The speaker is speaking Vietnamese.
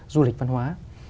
du lịch văn hóa